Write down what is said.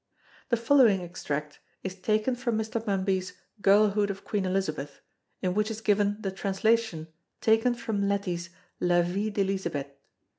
The following extract is taken from Mr. Mumby's Girlhood of Queen Elizabeth in which is given the translation taken from Leti's La Vie d'Elizabeth.